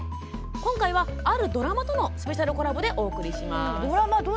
今回は、あるドラマとのスペシャルコラボでお送りします。